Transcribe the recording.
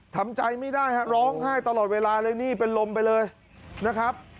ทำใจไม่ได้ฮะร้องไห้ตลอดเวลาเลยนี่เป็นลมไปเลยนะครับ